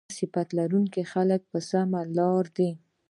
همدغه صفت لرونکي خلک په سمه لار دي